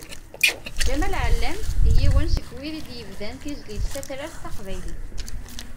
Ǧamal Ɛellam d yiwen seg wid i d-yebdan tizlit tatrart taqbaylit.